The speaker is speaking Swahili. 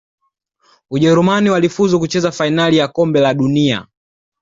Ujerumani walifuzu kucheza fainali ya kombe la dunia